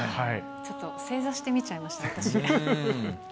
ちょっと正座して見ちゃいました、私。